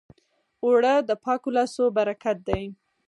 اوړه د پاکو لاسو برکت دی